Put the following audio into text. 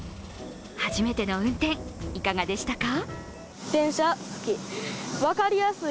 初めての運転、いかがでしたか？